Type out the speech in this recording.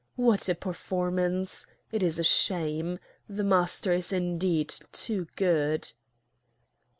"What a performance! It is a shame! The Master is indeed too good."